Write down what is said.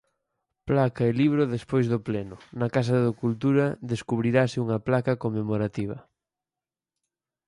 Placa e libro Despois do pleno, na Casa da Cultura descubrirase unha placa conmemorativa.